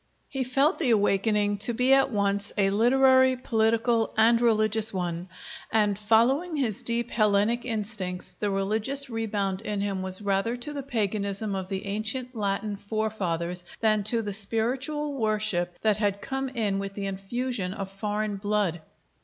He felt the awakening to be at once a literary, political, and religious one; and following his deep Hellenic instincts, the religious rebound in him was rather to the paganism of the ancient Latin forefathers than to the spiritual worship that had come in with the infusion of foreign blood.